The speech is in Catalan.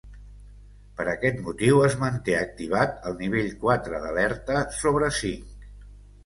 Per aquest motiu es manté activat el nivell quatre d’alerta sobre cinc.